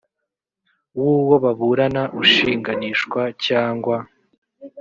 w uwo baburana ushinganishwa cyangwa